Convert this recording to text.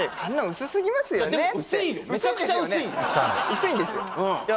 薄いんですよいや